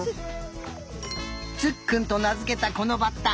つっくんとなづけたこのバッタ。